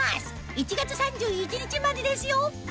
１月３１日までですよ